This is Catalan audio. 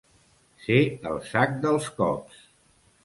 Ser el sac dels cops.